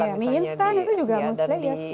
di instan itu juga multi layers